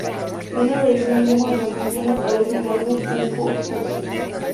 Una versión demo de la canción aparece en el álbum "Upon Us".